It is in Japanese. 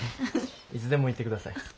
いつでも言って下さい。